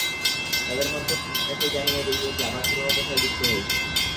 তাদের মধ্যে অনেকেই জামিনে বেরিয়ে এসে আবার পুরোনো পেশায় যুক্ত হয়েছে।